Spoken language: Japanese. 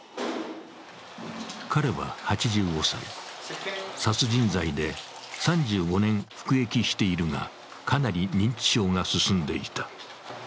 彼は８５歳、殺人罪で３５年服役しているが、かなり認知症が進んでいた。